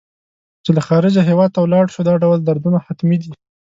چې له خارجه هېواد ته ولاړ شو دا ډول دردونه حتمي دي.